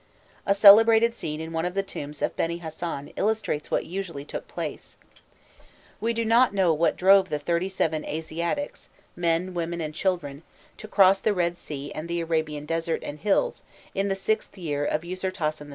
A celebrated scene in one of the tombs of Beni Hasan illustrates what usually took place. We do not know what drove the thirty seven Asiatics, men, women, and children, to cross the Red Sea and the Arabian desert and hills in the VIth year of Usirtasen II.